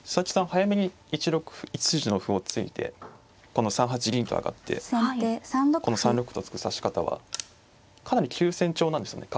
早めに１六歩１筋の歩を突いてこの３八銀と上がってこの３六歩と突く指し方はかなり急戦調なんですよね